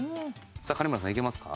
さあ金村さんいけますか？